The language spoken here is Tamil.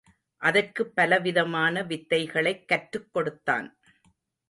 அதற்குப் பலவிதமான வித்தைகளைக் கற்றுக் கொடுத்தான்.